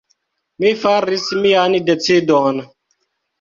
Mi faris mian decidon.